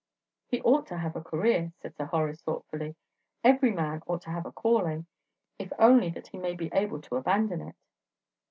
"He ought to have a career," said Sir Horace, thoughtfully. "Every man ought to have a calling, if only that he may be able to abandon it."